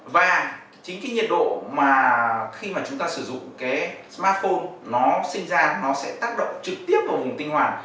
và chính cái nhiệt độ mà khi mà chúng ta sử dụng cái smartphone nó sinh ra nó sẽ tác động trực tiếp vào vùng tinh hoàn